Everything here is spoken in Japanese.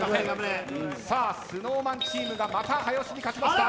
ＳｎｏｗＭａｎチームがまた早押しに勝ちました。